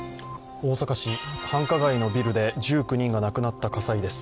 大阪市、繁華街のビルで１９人が亡くなった火災です。